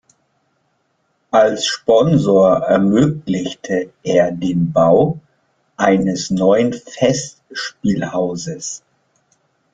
Als Sponsor ermöglichte er den Bau eines neuen Festspielhauses.